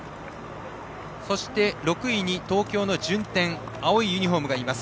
そして６位に東京の順天青いユニフォームがいます。